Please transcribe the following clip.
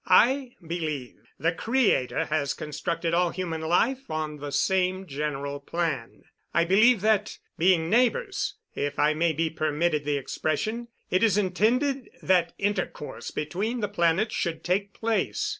I believe the Creator has constructed all human life on the same general plan. "I believe that, being neighbors if I may be permitted the expression it is intended that intercourse between the planets should take place.